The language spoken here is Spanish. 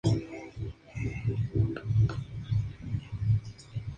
La provincia se encuentra en el nordeste del país.